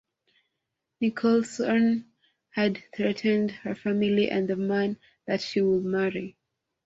Nicholson had threatened her family and the man that she would marry.